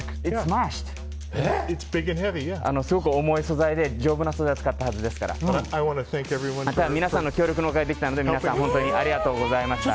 すごく重い素材で丈夫な素材を使ったはずですから皆さんの協力のおかげでできたので皆さん、本当にありがとうございました。